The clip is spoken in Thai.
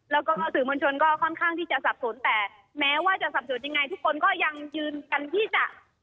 แล้วก็สื่อมวลชนก็ค่อนข้างที่จะสับสนแต่แม้ว่าจะสับสนยังไงทุกคนก็ยังยืนกันที่จะ